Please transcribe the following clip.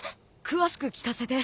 詳しく聞かせて。